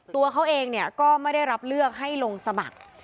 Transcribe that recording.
ตัวเขาเองก็ไม่ได้รับเลือกให้ลงสมัคร